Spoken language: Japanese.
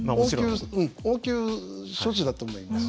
応急処置だと思います。